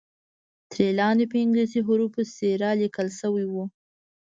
ترې لاندې په انګلیسي حروفو سیرا لیکل شوی وو.